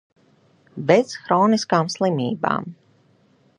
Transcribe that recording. Bez hroniskām slimībām.